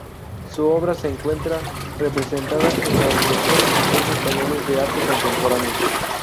Su obra se encuentra representada en los mejores museos españoles de arte contemporáneo.